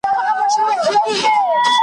تل یې لاس د خپل اولس په وینو سور وي .